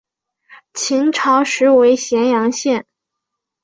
秦朝时为咸阳县。